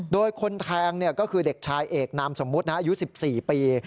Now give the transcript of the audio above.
โดยคนแทงก็คือเด็กชายเอกนามสมมุติอายุ๑๔ปี